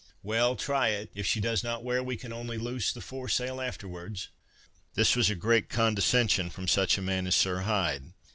"Well, try it; if she does not wear, we can only loose the fore sail afterwards." This was a great condescension from such a man as Sir Hyde.